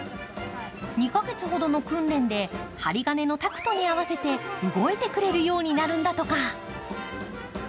２か月ほどの訓練で針金のタクトに合わせて動いてくれるようになるんだとか。